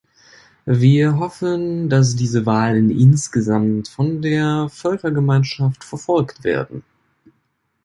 Wir hoffen, dass diese Wahlen insgesamt von der Völkergemeinschaft verfolgt werden.